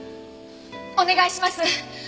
お願いします！